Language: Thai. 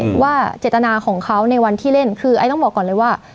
เพราะว่าเจตนาของเขาในวันที่เล่นคือไอ้ต้องบอกก่อนเลยว่า